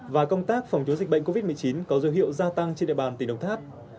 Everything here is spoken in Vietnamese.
và công tác phòng chống dịch bệnh covid một mươi chín có dấu hiệu gia tăng trên địa bàn tỉnh đồng tháp